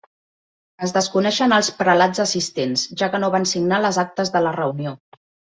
Es desconeixen els prelats assistents, ja que no van signar les actes de la reunió.